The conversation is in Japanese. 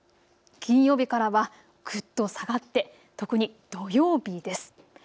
金曜日からはぐっと下がって特に土曜日です。